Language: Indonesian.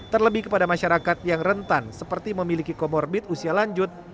terlebih kepada masyarakat yang rentan seperti memiliki komorbit usia lanjut